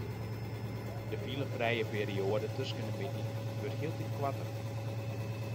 De filefrije perioade tusken de middei wurdt hieltyd koarter.